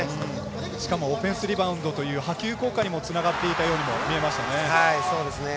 しかもオフェンスリバウンドという波及効果にもつながっていたようにも見えました。